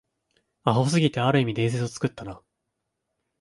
アホすぎて、ある意味伝説を作ったな